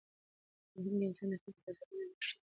فرهنګ د انسان د فکر د ازادۍ اندازه ښيي.